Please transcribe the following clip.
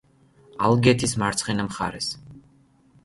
ალგეთის მარცხენა მხარეს.